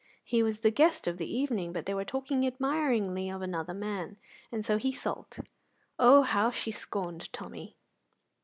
He was the guest of the evening, but they were talking admiringly of another man, and so he sulked. Oh, how she scorned Tommy!